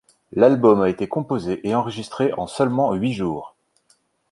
L'album a été composé et enregistré en seulement huit jours.